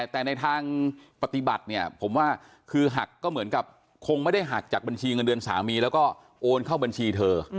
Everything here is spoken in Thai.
แต่ในทางปฏิบัติเนี่ยผมว่าคือหักก็เหมือนกับคงไม่ได้หักจากบัญชีเงินเดือนสามีแล้วก็โอนเข้าบัญชีเธอ